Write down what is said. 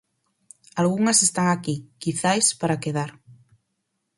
Algunhas están aquí, quizais, para quedar.